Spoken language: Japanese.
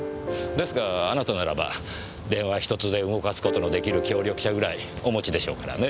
ですがあなたならば電話１つで動かす事の出来る協力者ぐらいお持ちでしょうからね。